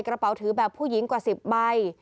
กระเป๋าถือแบบผู้หญิงกว่า๑๐ใบ